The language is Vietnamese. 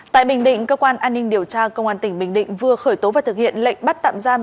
tại bình định cơ quan an ninh điều tra công an tỉnh bình định vừa khởi tố và thực hiện lệnh bắt tạm giam